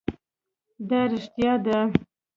دا رښتیا ده